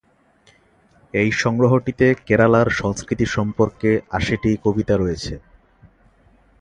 এই সংগ্রহটিতে কেরালার সংস্কৃতি সম্পর্কে আশিটি কবিতা রয়েছে।